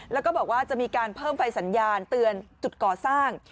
แล้วก็บอกว่าจะมีการเพิ่มไฟสัญญาณเตือนจุดก่อสร้าง